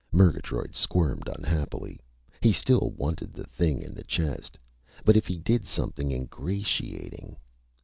Murgatroyd squirmed unhappily. He still wanted the thing in the chest. But if he did something ingratiating....